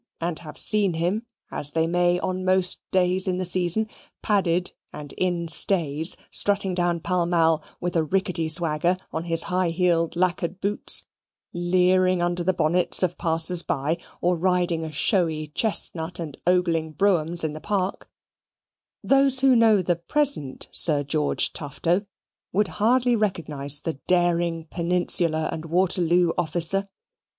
and have seen him, as they may on most days in the season, padded and in stays, strutting down Pall Mall with a rickety swagger on his high heeled lacquered boots, leering under the bonnets of passers by, or riding a showy chestnut, and ogling broughams in the Parks those who know the present Sir George Tufto would hardly recognise the daring Peninsular and Waterloo officer.